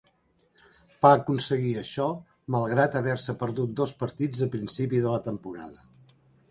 Va aconseguir això malgrat haver-se perdut dos partits a principi de la temporada.